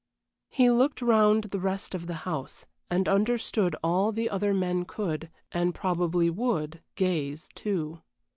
He looked round the rest of the house, and understood all the other men could, and probably would, gaze too.